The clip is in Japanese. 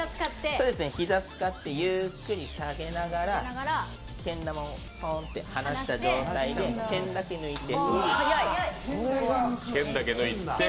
膝使って、ゆっくり下げながらけん玉をぽんと離した状態でけんだけ抜いて。